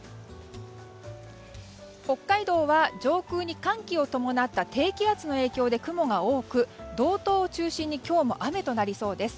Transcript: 北海道は上空に寒気を伴った低気圧の影響で雲が多く、道東を中心に今日も雨となりそうです。